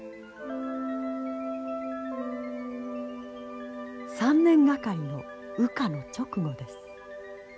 ３年がかりの羽化の直後です。